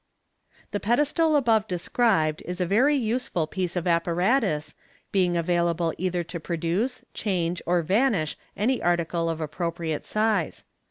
The pedestal above described is a very useful piece of apparatus, being available either to produce, change, or vanish any article of appropriate size.